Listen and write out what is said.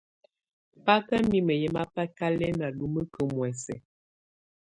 Bà kà mimǝ́ yɛ̀ mabɛ̀kalɛna lumǝkǝ muɛ̀sɛ.